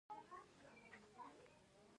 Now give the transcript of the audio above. شړشم څه ګټه لري؟